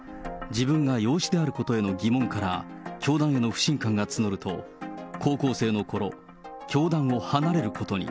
自分が養子であることへの疑問から、教団への不信感が募ると、高校生のころ、教団を離れることに。